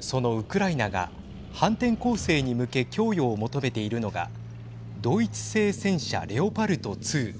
そのウクライナが反転攻勢に向け供与を求めているのがドイツ製戦車レオパルト２。